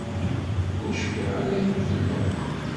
Ur cfiɣ ara yakk fell-am.